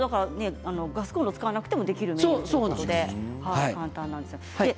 ガスコンロを使わなくてもできるメニューなので簡単なんですよ。